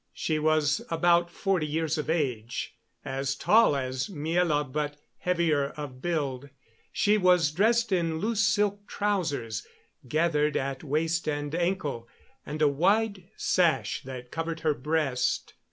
She was about forty years of age, as tall as Miela, but heavier of build. She was dressed in loose silk trousers, gathered at waist and ankle; and a wide sash that covered her breast.